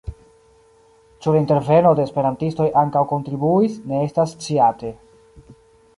Ĉu la interveno de esperantistoj ankaŭ kontribuis, ne estas sciate.